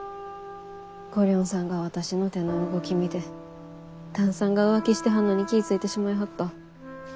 ご寮人さんが私の手の動き見て旦さんが浮気してはんのに気ぃ付いてしまいはった。